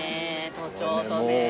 都庁とねえ。